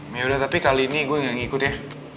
yaudah tapi kali ini gue gak ngikut ya